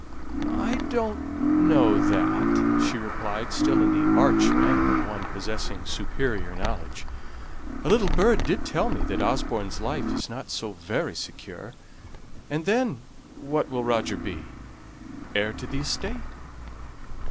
"I don't know that," she replied, still in the arch manner of one possessing superior knowledge. "A little bird did tell me that Osborne's life is not so very secure; and then what will Roger be? Heir to the estate."